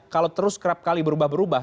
kalau terus kerap kali berubah berubah